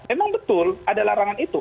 emang betul ada larangan itu